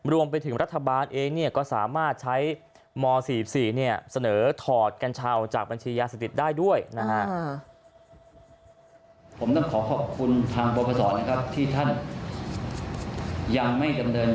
รวมไปถึงรัฐบาลเองก็สามารถใช้ม๔๔เสนอถอดแกนเช่าจากบัญชียาสติศาสติศาสตร์ได้ด้วย